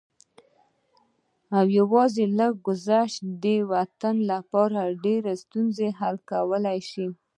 او يوازې لږ څه ګذشت د دې وطن ډېرې ستونزې حل کولی شي